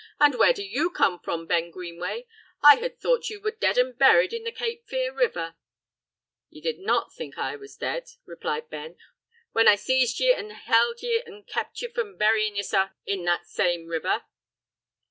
"And where do you come from, Ben Greenway? I had thought you were dead and buried in the Cape Fear River." "Ye did not think I was dead," replied Ben, "when I seized ye an' held ye an' kept ye from buryin' yoursel' in that same river."